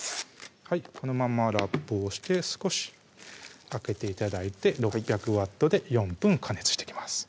このまんまラップをして少し開けて頂いて６００Ｗで４分加熱していきます